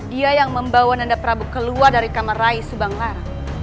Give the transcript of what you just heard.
dia yang membawa nanda prabu keluar dari kamar rais subanglar